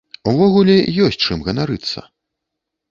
Увогуле, ёсць чым ганарыцца!